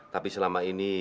tapi selama ini